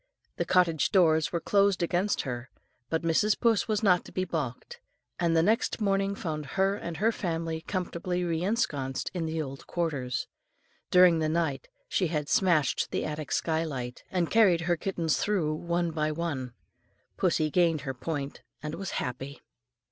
The cottage doors were closed against her, but Mrs. Puss was not to be balked, and next morning found her and her family comfortably re ensconced in the old quarters: during the night she had smashed the attic sky light, and carried her kittens through one by one. Pussy gained her point and was happy.